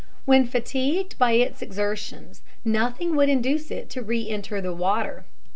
When fatigued by its exertions, nothing would induce it to re enter the water.